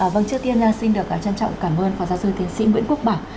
vâng trước tiên xin được trân trọng cảm ơn phó giáo sư tiến sĩ nguyễn quốc bảo